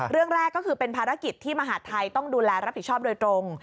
เรื่องแรกก็คือเป็นภารกิจที่มหาดไทยต้องดูแลรับผิดชอบโดยตรง